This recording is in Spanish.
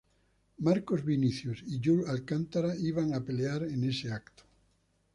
Marcos Vinícius y Yuri Alcântara iban a pelear en este evento.